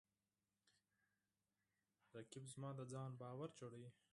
رقیب زما د ځان باور جوړوي